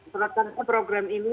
selepas program ini